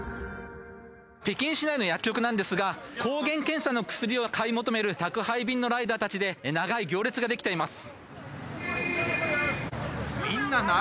北京市内の薬局なんですが抗原検査の薬を買い求める宅配便のライダーたちで長い行列ができています。